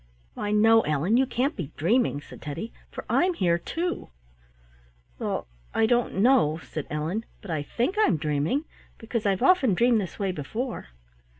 "Why, no, Ellen, you can't be dreaming," said Teddy, "for I'm here too." "Well, I don't know," said Ellen, "but I think I'm dreaming, because I've often dreamed this way before."